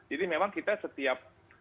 jadi memang kita setiap